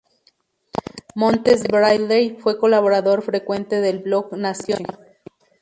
Montes-Bradley fue colaborador frecuente del blog "Nación Apache".